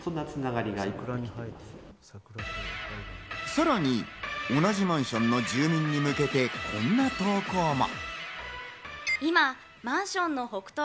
さらに同じマンションの住民に向けて、こんな投稿も。